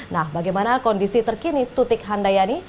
nah bagaimana kondisi terkini tutik handayani